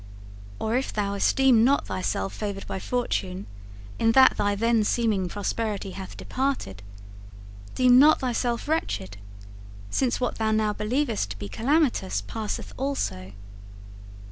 Or if thou esteem not thyself favoured by Fortune in that thy then seeming prosperity hath departed, deem not thyself wretched, since what thou now believest to be calamitous passeth also.